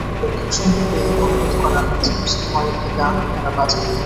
তাদের একসঙ্গে পেয়ে অনুরোধ করা হয়, যেন সিনেমার একটি গান তাঁরা বাজান।